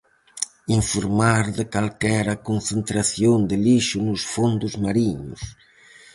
Informar de calquera concentración de lixo nos fondos mariños.